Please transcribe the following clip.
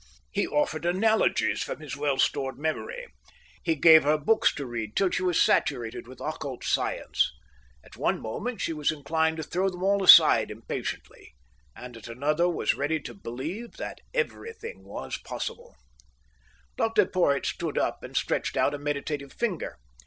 He offered analogies from his well stored memory. He gave her books to read till she was saturated with occult science. At one moment, she was inclined to throw them all aside impatiently, and, at another, was ready to believe that everything was possible. Dr Porhoët stood up and stretched out a meditative finger.